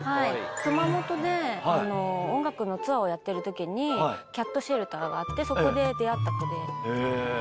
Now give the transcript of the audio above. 熊本で音楽のツアーをやってるときにキャットシェルターがあってそこで出合った子で。